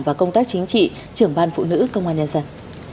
và công tác chính trị trưởng ban phụ nữ công an nhân dân